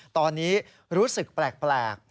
ตอนนี้รู้สึกแปลก